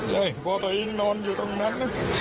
เฮ้ยพ่อตัวอีกนอนอยู่ตรงนั้น